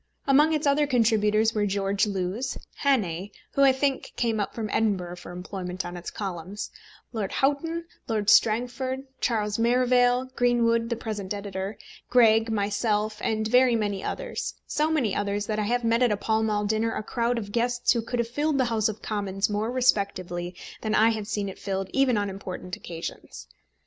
Among its other contributors were George Lewes, Hannay, who, I think, came up from Edinburgh for employment on its columns, Lord Houghton, Lord Strangford, Charles Merivale, Greenwood the present editor, Greg, myself, and very many others; so many others, that I have met at a Pall Mall dinner a crowd of guests who would have filled the House of Commons more respectably than I have seen it filled even on important occasions.